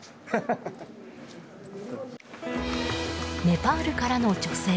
ネパールからの女性。